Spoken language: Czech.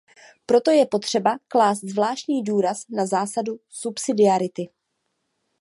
Proto je potřeba klást zvláštní důraz na zásadu subsidiarity.